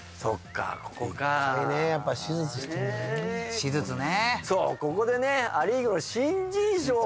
手術ね。